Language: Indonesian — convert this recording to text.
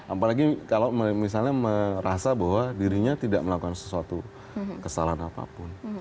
apalagi kalau misalnya merasa bahwa dirinya tidak melakukan sesuatu kesalahan apapun